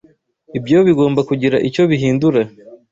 Ibyo bigomba kugira icyo bihindura.